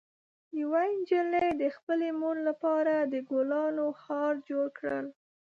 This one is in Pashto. یوه نجلۍ د خپلې مور لپاره د ګلانو هار جوړ کړ.